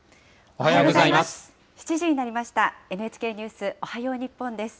おはようございます。